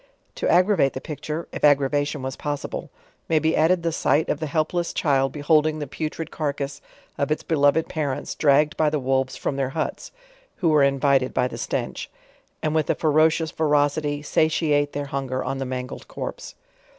To aggrevate the picture, if ag gravation was possible, may be added the sight of the help Ices child beholding the putrid carcase of its beloved parents dragged by the wolves from their huts, (who were invited by the stench) and with a ferocious verocity, satiate their hun ger on the mangled corpse.